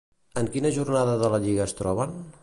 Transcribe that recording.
En quina jornada de la lliga es troben?